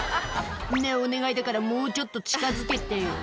「ねぇお願いだからもうちょっと近づけてよ」